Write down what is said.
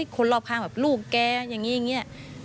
คนรอบข้างแบบลูกแกอย่างนี้อย่างนี้